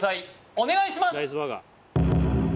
お願いします